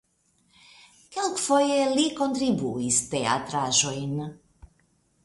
Kelkfoje li kontribuis teatraĵojn.